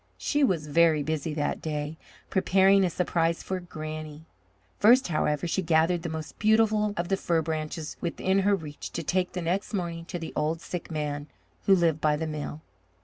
She was very busy that day, preparing a surprise for Granny. First, however, she gathered the most beautiful of the fir branches within her reach to take the next morning to the old sick man who lived by the mill.